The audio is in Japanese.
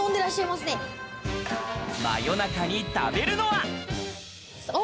真夜中に食べるのは。